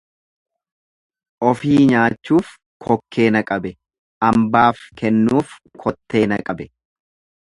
Ofii nyaachuuf kokkee na qabe, ambaaf kennuuf kottee na qabe.